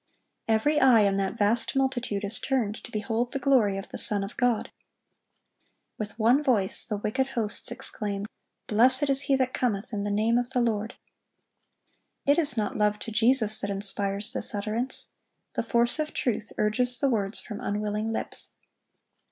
Every eye in that vast multitude is turned to behold the glory of the Son of God. With one voice the wicked hosts exclaim, "Blessed is He that cometh in the name of the Lord!" It is not love to Jesus that inspires this utterance. The force of truth urges the words from unwilling lips.